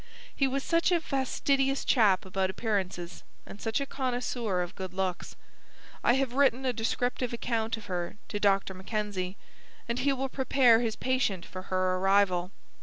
He was such a fastidious chap about appearances, and such a connoisseur of good looks. I have written a descriptive account of her to Dr. Mackenzie, and he will prepare his patient for her arrival.